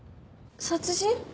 殺人？